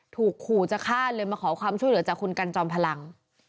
ถูกขู่จะฆ่าเลยมาขอความช่วยเหลือจากคุณกันจอมพลัง